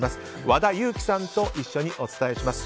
和田由貴さんと一緒にお伝えします。